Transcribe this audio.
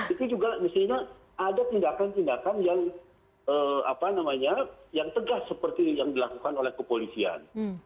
itu juga mestinya ada tindakan tindakan yang tegas seperti yang dilakukan oleh kepolisian